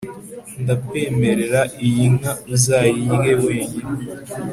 ndakwemerera, iyi nka uzayirye wenyine